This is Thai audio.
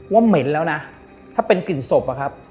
เหม็นแล้วนะถ้าเป็นกลิ่นศพอะครับ